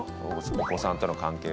お子さんとの関係は。